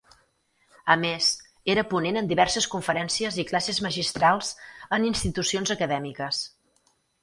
A més, era ponent en diverses conferències i classes magistrals en institucions acadèmiques.